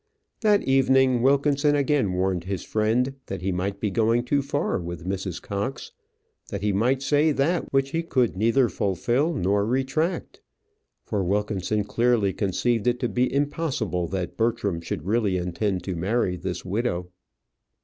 That evening, Wilkinson again warned his friend that he might be going too far with Mrs. Cox; that he might say that which he could neither fulfil nor retract. For Wilkinson clearly conceived it to be impossible that Bertram should really intend to marry this widow.